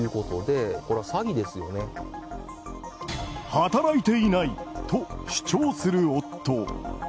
働いていないと主張する夫。